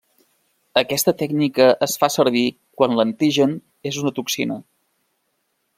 Aquesta tècnica es fa servir quan l'antigen és una toxina.